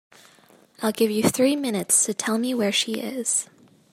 I'll give you three minutes to tell me where she is.